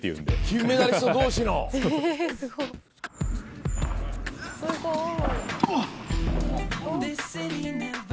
金メダリスト同士の。えすごい。